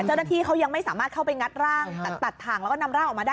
เจ้าหน้าที่เขายังไม่สามารถเข้าไปงัดร่างตัดถ่างแล้วก็นำร่างออกมาได้